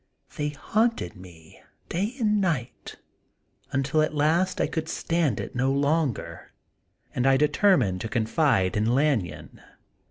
They haunted me day and night, until at last I could stand it no longer, and I de termined to confide in Lanyon.